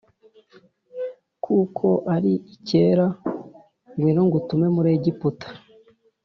kuko ari icyera ngwino ngutume muri Egiputa